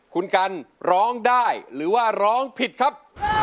คุณกันร้องได้หรือว่าร้องผิดครับ